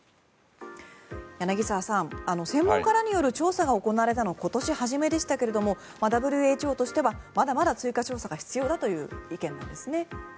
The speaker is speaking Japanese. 柳澤さん専門家らによる調査が行われたのは今年初めでしたけれどもＷＨＯとしてはまだまだ追加調査が必要だという意見なんですね。